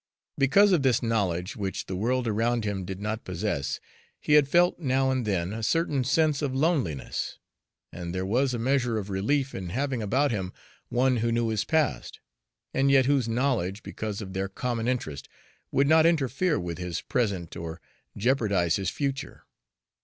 Because of this knowledge, which the world around him did not possess, he had felt now and then a certain sense of loneliness; and there was a measure of relief in having about him one who knew his past, and yet whose knowledge, because of their common interest, would not interfere with his present or jeopardize his future.